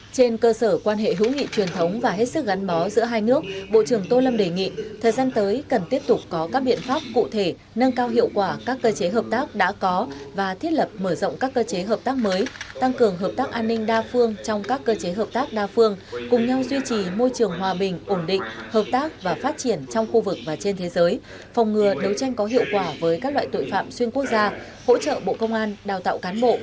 trên cơ sở quan hệ hữu nghị truyền thống và hết sức gắn bó giữa hai nước bộ trưởng tô lâm đề nghị thời gian tới cần tiếp tục có các biện pháp cụ thể nâng cao hiệu quả các cơ chế hợp tác đã có và thiết lập mở rộng các cơ chế hợp tác mới tăng cường hợp tác an ninh đa phương trong các cơ chế hợp tác đa phương cùng nhau duy trì môi trường hòa bình ổn định hợp tác và phát triển trong khu vực và trên thế giới phòng ngừa đấu tranh có hiệu quả với các loại tội phạm xuyên quốc gia hỗ trợ bộ công an đào